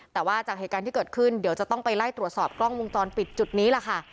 แต่ว่าจากเหตุการณ์ที่เกิดขึ้นเดี๋ยวจะต้องไปไล่ตรวจสอบกล้องวงจรปิดจุดนี้แหละค่ะ